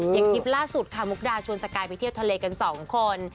คลิปล่าสุดค่ะมุกดาชวนสกายไปเที่ยวทะเลกันสองคน